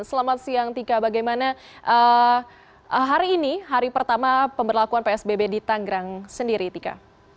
selamat siang tika bagaimana hari ini hari pertama pemberlakuan psbb di tanggrang sendiri tika